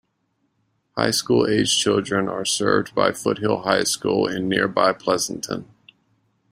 High school age children are served by Foothill High School in nearby Pleasanton.